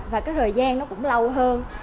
và cái thời gian nó cũng lâu hơn